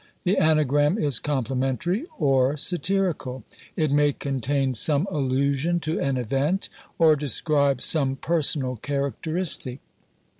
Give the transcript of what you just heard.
The Anagram is complimentary or satirical; it may contain some allusion to an event, or describe some personal characteristic.